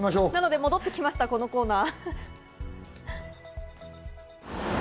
戻ってきました、このコーナー！